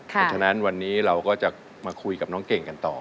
เพราะฉะนั้นวันนี้เราก็จะมาคุยกับน้องเก่งกันต่อ